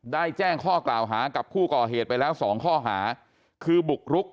แจ้งข้อกล่าวหากับผู้ก่อเหตุไปแล้วสองข้อหาคือบุกรุก